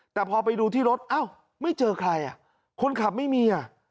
แต่พอไปดูที่รถอ้าวไม่เจอใครอ่ะคนขับไม่มีอ่ะ